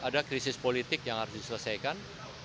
ada yang berarti harus diselesaikan